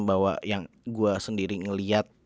bahwa yang gue sendiri ngelihat